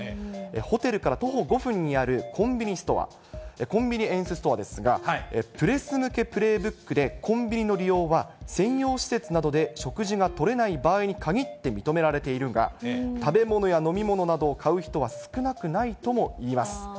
ホテルから徒歩５分にあるコンビニエンスストアですが、プレス向けプレーブックでコンビニの利用は、専用施設などで食事がとれない場合に限って認められているが、食べ物や飲み物などを買う人は少なくないともいいます。